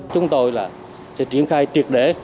chúng tôi sẽ triển khai triệt để